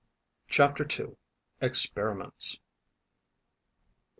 CHAPTER 2. EXPERIMENTS.